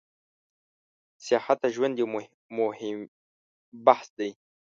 سیاحت د ژوند یو موهیم بحث ده